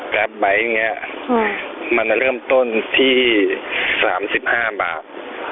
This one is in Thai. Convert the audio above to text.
กรัฟไบต์เริ่มต้นที่๓๕บาท